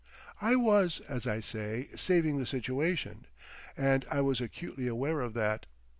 I was, as I say, "saving the situation," and I was acutely aware of that.